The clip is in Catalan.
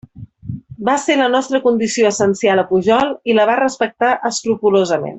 Va ser la nostra condició essencial a Pujol i la va respectar escrupolosament.